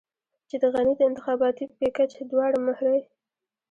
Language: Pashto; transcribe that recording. چې د غني د انتخاباتي پېکج دواړې مهرې.